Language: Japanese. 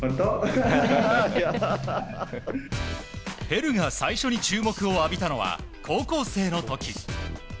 ヘルが最初に注目を浴びたのは高校生の時。